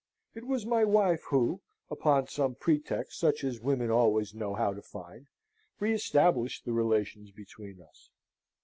It was my wife who (upon some pretext such as women always know how to find) re established the relations between us.